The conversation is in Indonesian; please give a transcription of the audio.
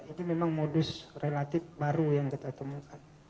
ini memang modus relatif baru yang kita temukan